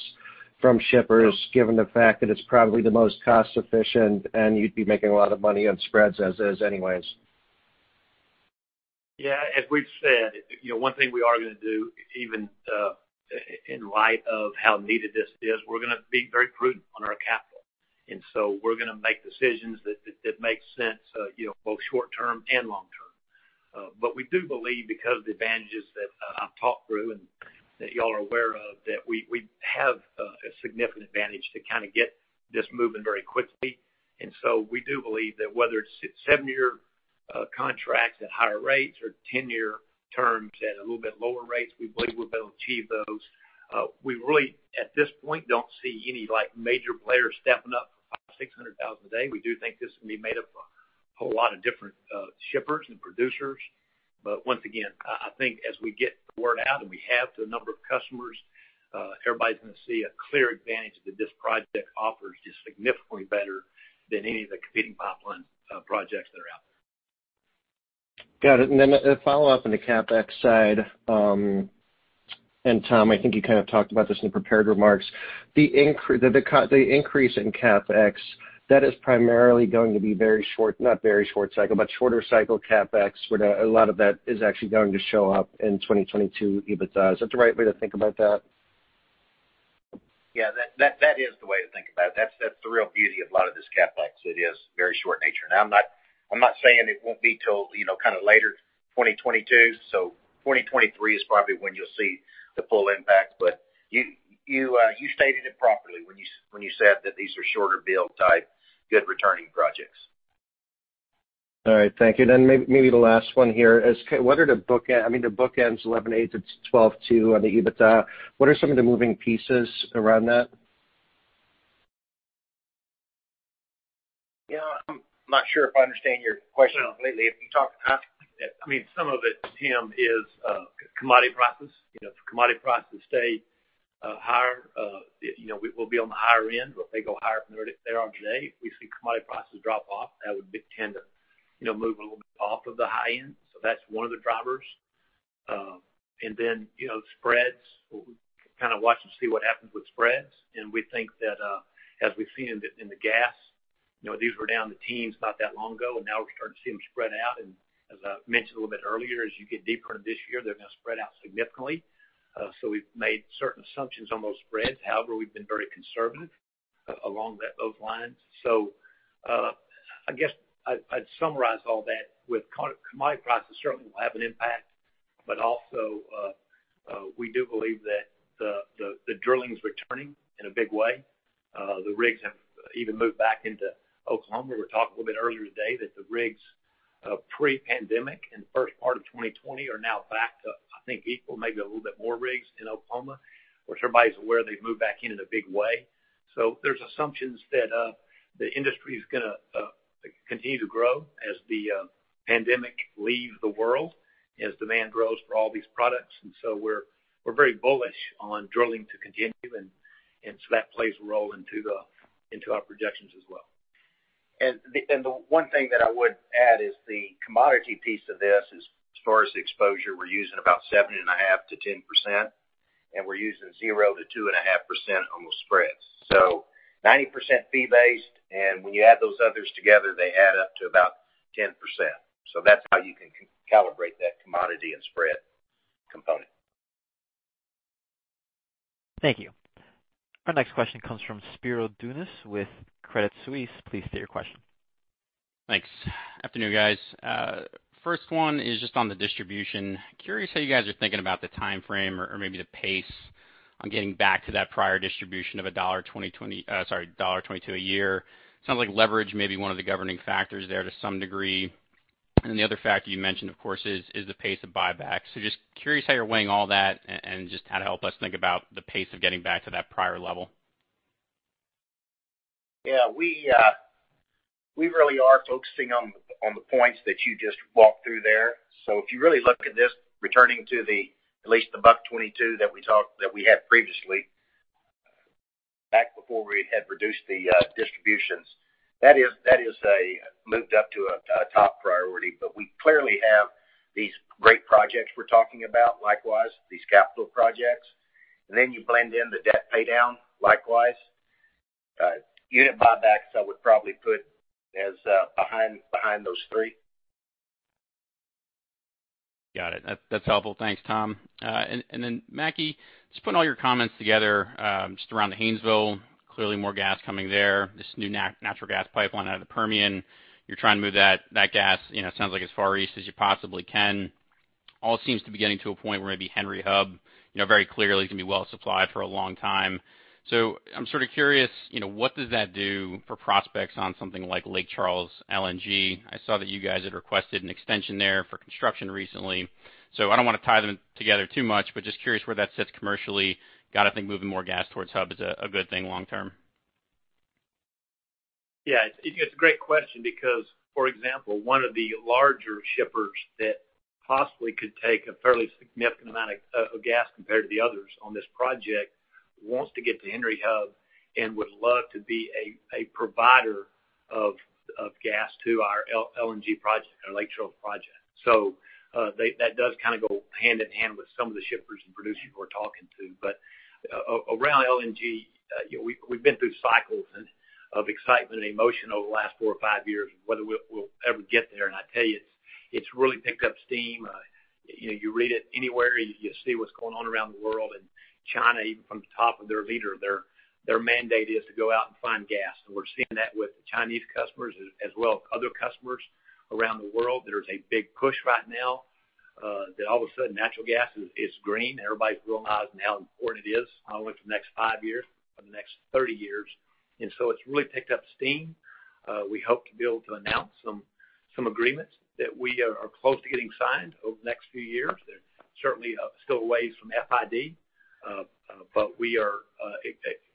S9: from shippers, given the fact that it's probably the most cost efficient and you'd be making a lot of money on spreads as is anyways.
S4: Yeah. As we've said, you know, one thing we are gonna do, even in light of how needed this is, we're gonna be very prudent on our capital. We're gonna make decisions that make sense, you know, both short term and long term. We do believe because of the advantages that I've talked through and that y'all are aware of, that we have a significant advantage to kind of get this moving very quickly. We do believe that whether it's 7-year contracts at higher rates or 10-year terms at a little bit lower rates, we believe we'll be able to achieve those. We really, at this point, don't see any, like, major players stepping up for 600,000 a day. We do think this will be made up of a whole lot of different shippers and producers. Once again, I think as we get the word out, and we have the number of customers, everybody's gonna see a clear advantage that this project offers just significantly better than any of the competing pipeline projects that are out there.
S9: Got it. A follow-up on the CapEx side, and Tom, I think you kind of talked about this in the prepared remarks. The increase in CapEx, that is primarily going to be very short, not very short cycle, but shorter cycle CapEx, where a lot of that is actually going to show up in 2022 EBITDA. Is that the right way to think about that?
S2: Yeah. That is the way to think about it. That's the real beauty of a lot of this CapEx. It is very short nature. Now, I'm not saying it won't be till, you know, kind of later 2022. 2023 is probably when you'll see the full impact. You stated it properly when you said that these are shorter build type, good returning projects.
S9: All right. Thank you. Maybe the last one here is, so what are the bookends $11.8 billion-$12.2 billion on the EBITDA. What are some of the moving pieces around that?
S4: Yeah. I'm not sure if I understand your question completely. I mean, some of it, Tim, is commodity prices. You know, if commodity prices stay higher, you know, we will be on the higher end, or if they go higher than where they are today. If we see commodity prices drop off, that would tend to, you know, move a little bit off of the high end. That's one of the drivers. Then, you know, spreads, we'll kind of watch and see what happens with spreads. We think that, as we've seen in the gas, you know, these were down in the teens not that long ago, and now we're starting to see them spread out. As I mentioned a little bit earlier, as you get deeper into this year, they're gonna spread out significantly. We've made certain assumptions on those spreads. However, we've been very conservative along those lines. I guess I'd summarize all that with commodity prices certainly will have an impact, but also, we do believe that the drilling is returning in a big way. The rigs have even moved back into Oklahoma. We were talking a little bit earlier today that the rigs pre-pandemic in the first part of 2020 are now back to, I think, equal maybe a little bit more rigs in Oklahoma, which everybody's aware they've moved back in in a big way. There's assumptions that the industry is gonna continue to grow as the pandemic leaves the world, as demand grows for all these products. We're very bullish on drilling to continue. That plays a role into our projections as well.
S2: One thing that I would add is the commodity piece of this is, as far as the exposure, we're using about 7.5%-10%, and we're using 0%-2.5% on those spreads. 90% fee-based, and when you add those others together, they add up to about 10%. That's how you can calibrate that commodity and spread component.
S1: Thank you. Our next question comes from Spiro Dounis with Credit Suisse. Please state your question.
S10: Thanks. Afternoon, guys. First one is just on the distribution. Curious how you guys are thinking about the timeframe or maybe the pace on getting back to that prior distribution of $1.22 a year. Sounds like leverage may be one of the governing factors there to some degree. The other factor you mentioned, of course, is the pace of buybacks. Just curious how you're weighing all that and just kind of help us think about the pace of getting back to that prior level.
S2: Yeah. We really are focusing on the points that you just walked through there. If you really look at this, returning to at least the $1.22 that we had previously, back before we had reduced the distributions. That is a top priority, but we clearly have these great projects we're talking about, likewise, these capital projects. You blend in the debt paydown, likewise. Unit buybacks, I would probably put as behind those three.
S10: Got it. That's helpful. Thanks, Tom. Then Mackie, just putting all your comments together, just around the Haynesville, clearly more gas coming there. This new natural gas pipeline out of the Permian, you're trying to move that gas, you know, sounds like as far east as you possibly can. All seems to be getting to a point where maybe Henry Hub, you know, very clearly is gonna be well supplied for a long time. I'm sort of curious, you know, what does that do for prospects on something like Lake Charles LNG. I saw that you guys had requested an extension there for construction recently. I don't wanna tie them together too much, but just curious where that sits commercially. Gotta think moving more gas towards Hub is a good thing long term.
S4: Yeah. It's a great question because, for example, one of the larger shippers that possibly could take a fairly significant amount of gas compared to the others on this project wants to get to Henry Hub and would love to be a provider of gas to our LNG project, our Lake Charles project. They, that does kind of go hand-in-hand with some of the shippers and producers we're talking to. Around LNG, you know, we've been through cycles and of excitement and emotion over the last four or five years, whether we'll ever get there. I tell you, it's really picked up steam. You know, you read it anywhere. You see what's going on around the world. China, even from the top of their leader, their mandate is to go out and find gas. We're seeing that with the Chinese customers as well as other customers around the world. There's a big push right now that all of a sudden natural gas is green. Everybody's realizing how important it is, not only for the next five years, but the next 30 years. It's really picked up steam. We hope to be able to announce some agreements that we are close to getting signed over the next few years. They're certainly still ways from FID, but we are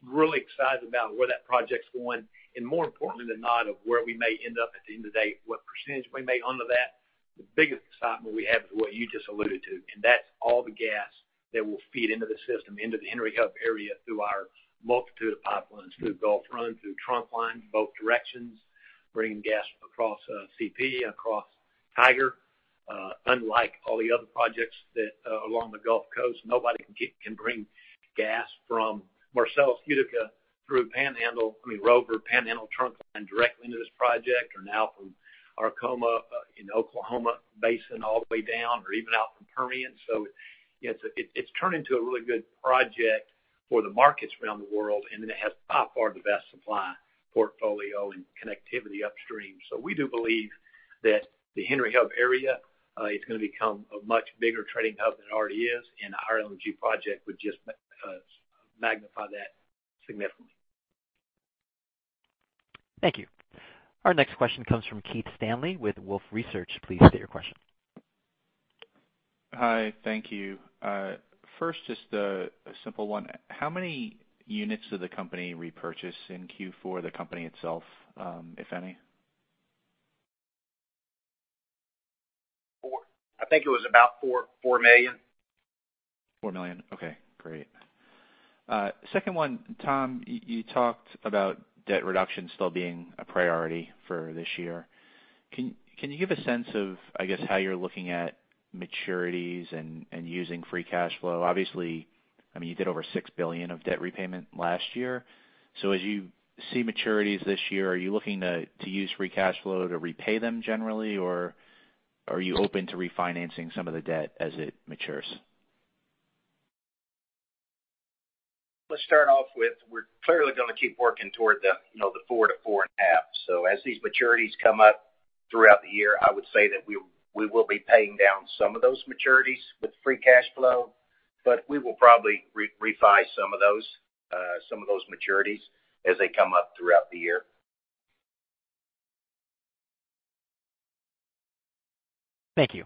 S4: really excited about where that project's going. More importantly than not of where we may end up at the end of the day, what percentage we may own of that, the biggest excitement we have is what you just alluded to, and that's all the gas that will feed into the system, into the Henry Hub area through our multitude of pipelines, through Gulf Run, through Trunkline in both directions, bringing gas across, CP, across Tiger. Unlike all the other projects that, along the Gulf Coast, nobody can bring gas from Marcellus Utica through Panhandle, I mean, Rover Panhandle Trunkline directly into this project, or now from Arkoma in Oklahoma Basin all the way down, or even out from Permian. It's turning into a really good project for the markets around the world, and then it has by far the best supply portfolio and connectivity upstream. We do believe that the Henry Hub area is gonna become a much bigger trading hub than it already is, and our LNG project would just magnify that significantly.
S1: Thank you. Our next question comes from Keith Stanley with Wolfe Research. Please state your question.
S11: Hi, thank you. First, just a simple one. How many units did the company repurchase in Q4, the company itself, if any?
S2: 4. I think it was about $4 million.
S11: $4 million? Okay, great. Second one, Tom, you talked about debt reduction still being a priority for this year. Can you give a sense of, I guess, how you're looking at maturities and using free cash flow? Obviously, I mean, you did over $6 billion of debt repayment last year. As you see maturities this year, are you looking to use free cash flow to repay them generally, or are you open to refinancing some of the debt as it matures?
S2: Let's start off with we're clearly gonna keep working toward the, you know, the 4-4.5. As these maturities come up throughout the year, I would say that we will be paying down some of those maturities with free cash flow, but we will probably refi some of those maturities as they come up throughout the year.
S10: Thank you.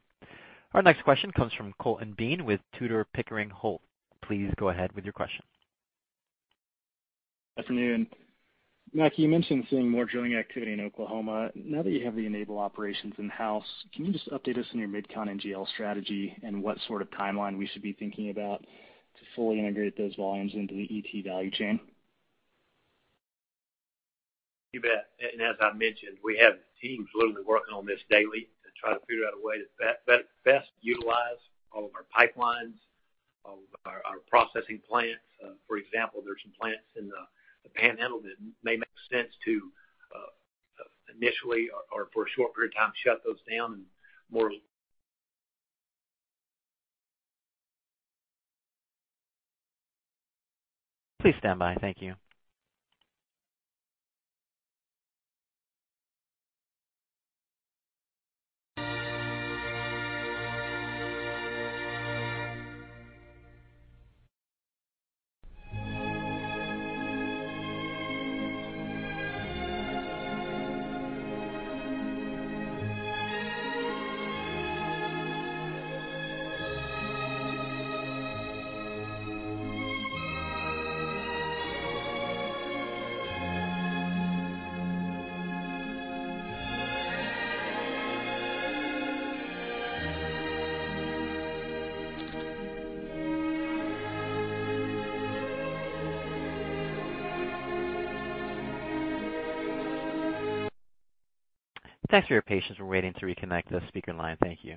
S10: Our next question comes from Colton Bean with Tudor, Pickering, Holt. Please go ahead with your question.
S12: Good afternoon. Mackie, you mentioned seeing more drilling activity in Oklahoma. Now that you have the Enable operations in-house, can you just update us on your MidCon NGL strategy and what sort of timeline we should be thinking about to fully integrate those volumes into the ET value chain?
S4: You bet. As I mentioned, we have teams literally working on this daily to try to figure out a way to best utilize all of our pipelines, all of our processing plants. For example, there's some plants in the Panhandle that may make sense to initially or for a short period of time, shut those down and more.
S1: Please stand by. Thank you. Thanks for your patience. We're waiting to reconnect the speaker line. Thank you.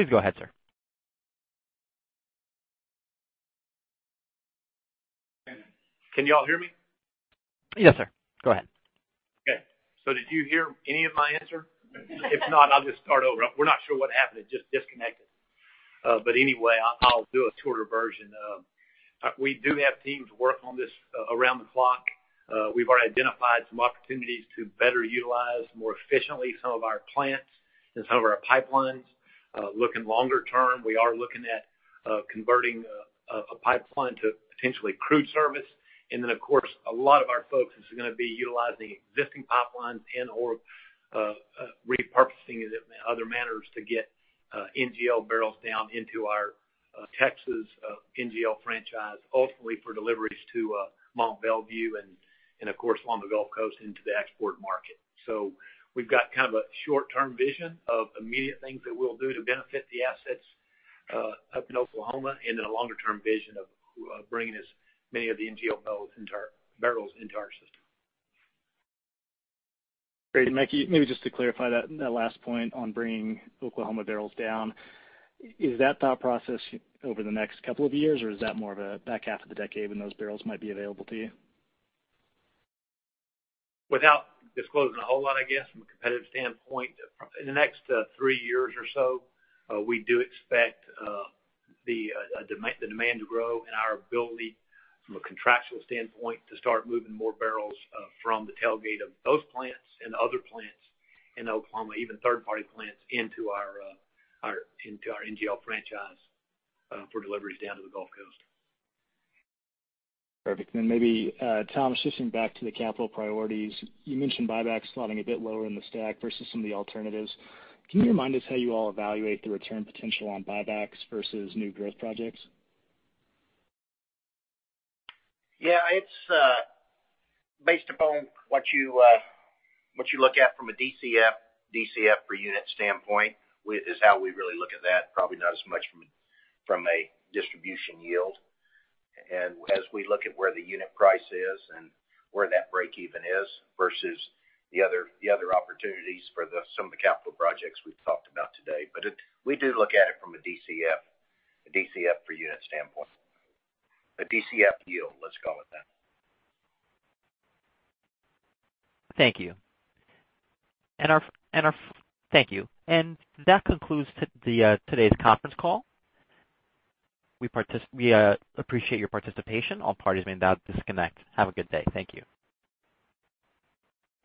S1: Please go ahead, sir.
S4: Can you all hear me?
S1: Yes, sir. Go ahead.
S4: Okay. Did you hear any of my answer? If not, I'll just start over. We're not sure what happened. It just disconnected. Anyway, I'll do a shorter version. We do have teams work on this around the clock. We've already identified some opportunities to better utilize more efficiently some of our plants and some of our pipelines. Looking longer term, we are looking at converting a pipeline to potentially crude service. Then, of course, a lot of our focus is gonna be utilizing existing pipelines and/or repurposing it in other manners to get NGL barrels down into our Texas NGL franchise, ultimately for deliveries to Mont Belvieu and of course, along the Gulf Coast into the export market. We've got kind of a short-term vision of immediate things that we'll do to benefit the assets up in Oklahoma, and then a longer-term vision of bringing as many of the NGL barrels into our system.
S12: Great. Mackie, maybe just to clarify that last point on bringing Oklahoma barrels down, is that thought process over the next couple of years, or is that more of a back half of the decade when those barrels might be available to you?
S4: Without disclosing a whole lot, I guess, from a competitive standpoint, in the next three years or so, we do expect the demand to grow and our ability from a contractual standpoint to start moving more barrels from the tailgate of those plants and other plants in Oklahoma, even third-party plants, into our NGL franchise for deliveries down to the Gulf Coast.
S12: Perfect. Maybe, Tom, switching back to the capital priorities. You mentioned buybacks slotting a bit lower in the stack versus some of the alternatives. Can you remind us how you all evaluate the return potential on buybacks versus new growth projects?
S2: Yeah, it's based upon what you look at from a DCF per unit standpoint, is how we really look at that, probably not as much from a distribution yield. As we look at where the unit price is and where that break even is versus the other opportunities for some of the capital projects we've talked about today. We do look at it from a DCF per unit standpoint. A DCF yield, let's call it that.
S1: Thank you. Thank you. That concludes today's conference call. We appreciate your participation. All parties may now disconnect. Have a good day. Thank you.